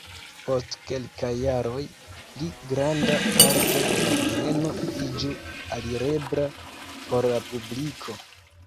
Post kelkaj jaroj pli granda parto de la bieno iĝu alirebla por la publiko.